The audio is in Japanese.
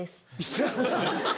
そやろな。